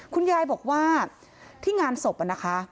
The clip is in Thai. คุณยายบอกว่าที่งานศพนะคะ